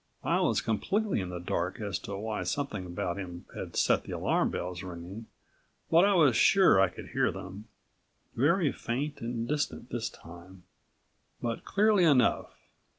I was completely in the dark as to why something about him had set the alarm bells ringing but I was sure I could hear them, very faint and distant this time, but clearly enough.